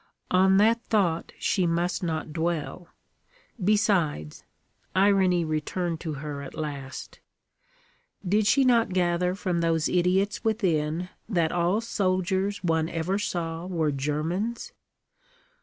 On that thought she must not dwell; besides irony returned to her at last did she not gather from those idiots within that all soldiers one ever saw were Germans?